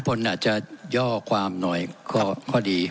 พิพลอาจจะย่อความหน่อยข้อดี